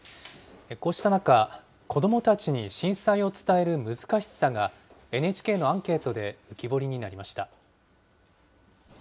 こうした中、子どもたちに震災を伝える難しさが、ＮＨＫのアンケートで浮き彫りになりました。